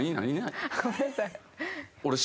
ごめんなさい。